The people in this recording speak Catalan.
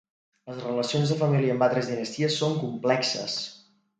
Les relacions de família amb altres dinasties són complexes.